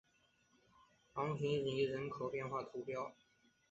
昂蒂尼人口变化图示